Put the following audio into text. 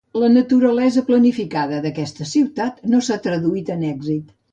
La naturalesa planificada d'aquesta ciutat no s'ha traduït en èxit.